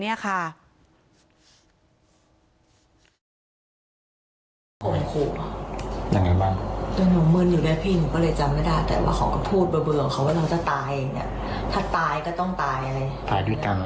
ยืนยังว่าจะไม่มีการกลับไปคบแล้ว